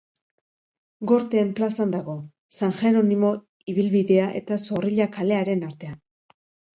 Gorteen plazan dago, San Jeronimo ibilbidea eta Zorrilla kalearen artean.